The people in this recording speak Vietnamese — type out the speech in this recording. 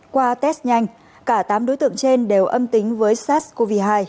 qua test nhanh cả tám đối tượng trên đều âm tính với sars cov hai